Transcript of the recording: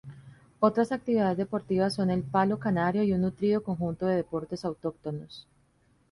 Otras actividades deportivas son el palo canario y un nutrido conjunto de deportes autóctonos.